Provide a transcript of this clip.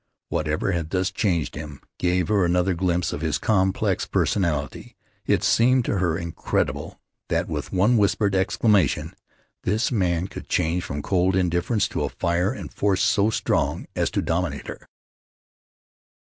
Whatever had thus changed him, gave her another glimpse of his complex personality. It seemed to her incredible that with one whispered exclamation this man could change from cold indifference to a fire and force so strong as to dominate her.